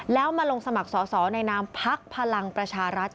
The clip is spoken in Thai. แล้วมาลงสมัครสอสอในนามพักพลังประชารัฐ